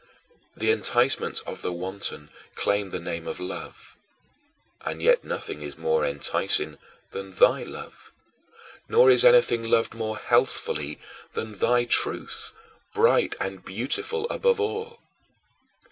The enticements of the wanton claim the name of love; and yet nothing is more enticing than thy love, nor is anything loved more healthfully than thy truth, bright and beautiful above all.